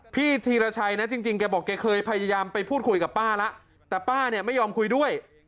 ธีรชัยนะจริงแกบอกแกเคยพยายามไปพูดคุยกับป้าแล้วแต่ป้าเนี่ยไม่ยอมคุยด้วย